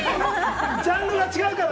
ジャンルが違うから。